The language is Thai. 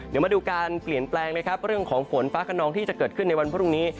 ก็มาดูการเปลี่ยนแปลงของฝนฟ้ากะนองที่จะเกิดขึ้นในวันพรุ่งนี้